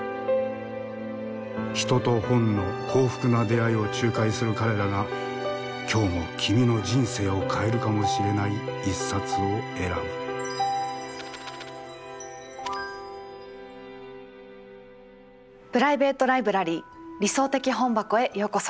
人と本の幸福な出会いを仲介する彼らが今日も君の人生を変えるかもしれない一冊を選ぶプライベート・ライブラリー「理想的本箱」へようこそ。